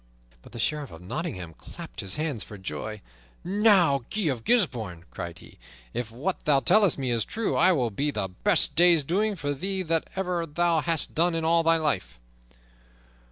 But the Sheriff of Nottingham clapped his hands for joy. "Now, Guy of Gisbourne," cried he, "if what thou tellest me is true, it will be the best day's doings for thee that ever thou hast done in all thy life."